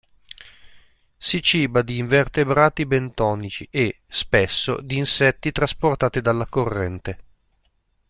Si ciba di invertebrati bentonici e, spesso, di insetti trasportati dalla corrente.